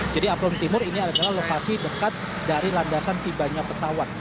jadi apron timur ini adalah lokasi dekat dari landasan tibanya pesawat